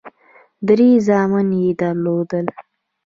درې زامن یې درلودل.